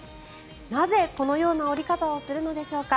なぜ、このような下り方をするのでしょうか。